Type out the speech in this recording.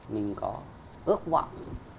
mình có ước mong